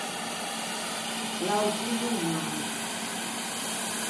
L’autô do romanso.